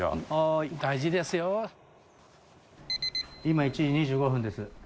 今１時２５分です。